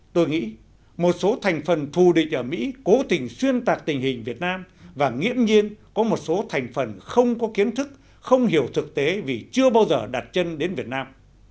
tôi nghĩ một số thành phần thù địch ở mỹ cố tình xuyên tạc tình hình việt nam và nghiễm nhiên có một số thành phần không có kiến thức không hiểu thực tế vì chưa bao giờ đặt chân đến việt nam